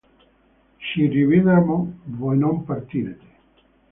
Ci rivedremo; voi non partirete.